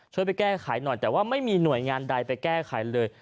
ไปแก้ไขหน่อยแต่ว่าไม่มีหน่วยงานใดไปแก้ไขเลย